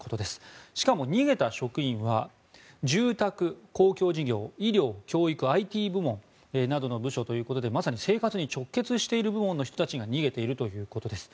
しかも逃げた職員は住宅、公共事業医療、教育、ＩＴ部門などの部署ということでまさに生活に直結している部門の人たちが逃げているということです。